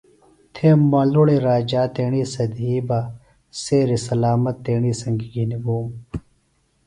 تھےۡ ملُڑی راجا تیݨی سےۡ دِھی بہ سیریۡ سلامت تیݨی سنگیۡ گِھنیۡ گُوم